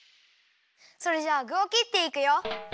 それじゃあぐをきっていくよ。